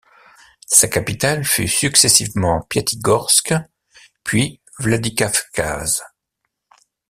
Sa capitale fut successivement Piatigorsk, puis Vladikavkaz.